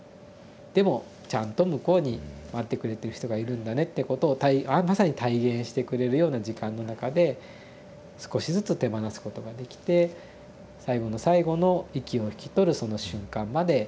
でもちゃんと向こうに待ってくれてる人がいるんだねってことをまさに体現してくれるような時間の中で少しずつ手放すことができて最期の最期の息を引き取るその瞬間まで家族で見守ることが。